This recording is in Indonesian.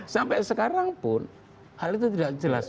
sampai sekarang pun hal itu tidak jelas